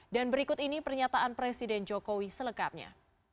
dan berikut ini pernyataan presiden jokowi selekapnya